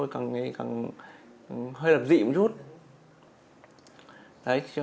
càng hơi lập dị